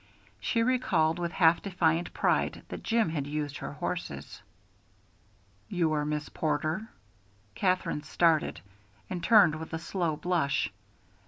She recalled with half defiant pride that Jim had used her horses. "You are Miss Porter?" Katherine started, and turned with a slow blush.